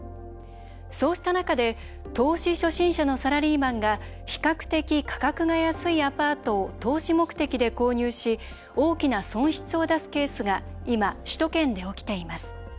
そうした中で投資初心者のサラリーマンが比較的、価格が安いアパートを投資目的で購入し大きな損失を出すケースが今、首都圏で起きています。